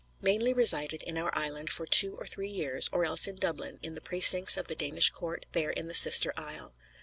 mainly resided in our island for two or three years, or else in Dublin, in the precincts of the Danish Court there in the Sister Isle.